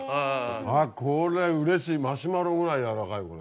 あぁこれうれしいマシュマロぐらい軟らかいこれ。